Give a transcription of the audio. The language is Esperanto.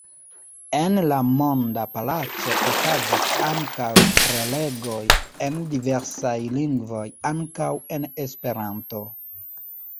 En la Monda Palaco okazis ankaŭ prelegoj en diversaj lingvoj, ankaŭ en Esperanto.